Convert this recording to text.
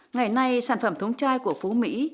ngày nay sản phẩm thúng chai của phú mỹ